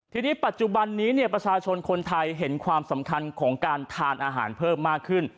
ทีนี้ปัจจุบันนี้เนี่ยประชาชนคนไทยเห็นความสำคัญของการทานอาหารเพิ่มมากขึ้น